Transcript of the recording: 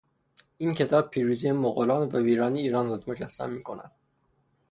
این کتاب پیروزی مغولان و ویرانی ایران را مجسم میکند.